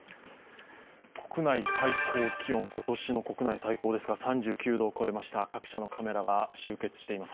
今年の国内最高気温、３９度を超えました、各社のカメラが集結しています。